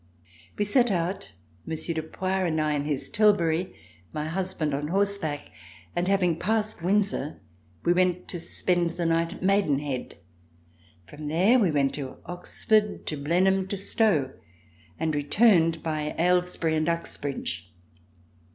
We set out, Monsieur de Poix and I in his tilbury, my husband on horseback, and, having passed Windsor, we went to spend the night at Maidenhead. From there we went to Oxford, to Blenheim, to Stowe, and returned by Aylesbury and Uxbridge.